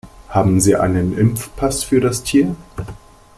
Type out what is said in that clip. Haben Sie einen Impfpass für das Tier?